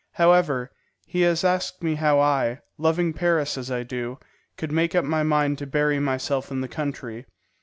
However, he has asked me how I, loving Paris as I do, could make up my mind to bury myself in the country.